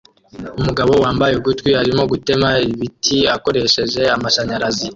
Umugabo wambaye ugutwi arimo gutema ibiti akoresheje amashanyarazi